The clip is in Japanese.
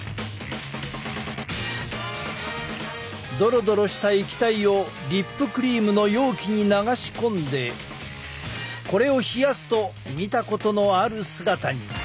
ドロドロした液体をリップクリームの容器に流し込んでこれを冷やすと見たことのある姿に。